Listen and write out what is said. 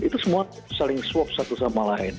itu semua saling swap satu sama lain